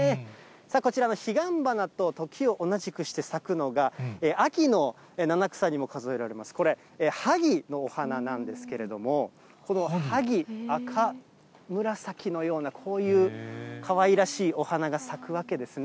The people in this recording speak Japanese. こちらの彼岸花と時を同じくして咲くのが、秋の七草にも数えられます、これ、萩のお花なんですけれども、この萩、赤紫のような、こういうかわいらしいお花が咲くわけですね。